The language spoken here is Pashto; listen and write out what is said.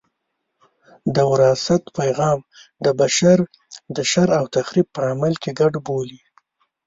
د وراثت پیغام د بشر د شر او تخریب په عمل کې ګډ بولي.